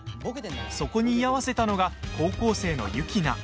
そこに居合わせたのが高校生の雪菜。